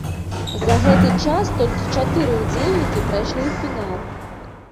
За гэты час толькі чатыры ўдзельнікі прайшлі ў фінал.